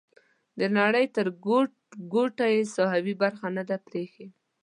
د نړۍ تر ګوټ ګوټه یې ساحوي برخه نه ده پریښې.